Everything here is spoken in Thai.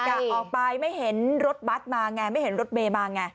ะออกไปไม่เห็นรถบัตรมาไงไม่เห็นรถเมย์มาไง